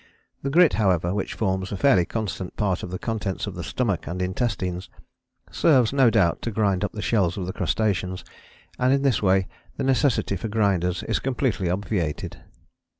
The grit, however, which forms a fairly constant part of the contents of the stomach and intestines, serves, no doubt, to grind up the shells of the crustaceans, and in this way the necessity for grinders is completely obviated."